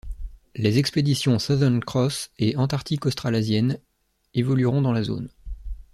Les expéditions Southern Cross et antarctique australasienne évolueront dans la zone.